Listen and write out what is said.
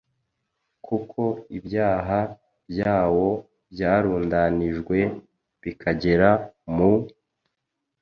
kuko ibyaha byawo byarundanijwe bikagera mu